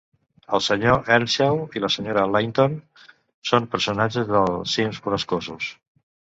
El Sr. Earnshaw i la Sra. Linton són personatges de "Cims Borrascosos".